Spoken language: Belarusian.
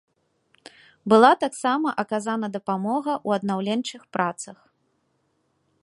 Была таксама аказана дапамога ў аднаўленчых працах.